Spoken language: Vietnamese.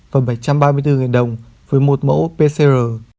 còn bảy trăm ba mươi bốn đồng với một mẫu pcr